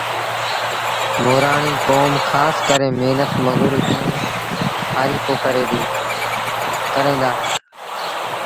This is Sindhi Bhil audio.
مورآڻيٚ ڪوم کآس ڪري مهنت مزوري ائيٚݩ هآرپو ڪريݩ دآ